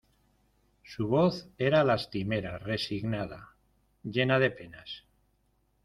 su voz era lastimera, resignada , llena de penas: